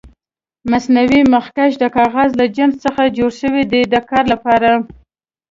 مصنوعي مخکش د کاغذ له جنس څخه جوړ شوي دي د کار لپاره.